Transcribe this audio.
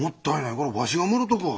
これわしがもろとくわ。